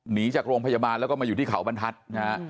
หนีจากโรงพยาบาลแล้วก็มาอยู่ที่เขาบรรทัศน์นะฮะ